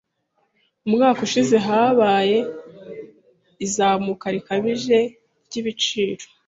Umwaka ushize habaye izamuka rikabije ryibiciro.